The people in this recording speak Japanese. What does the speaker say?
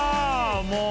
もう。